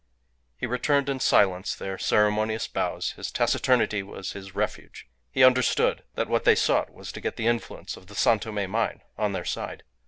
He returned in silence their ceremonious bows. His taciturnity was his refuge. He understood that what they sought was to get the influence of the San Tome mine on their side.